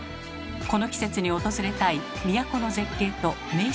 この季節に訪れたい都の絶景と名所を満喫します。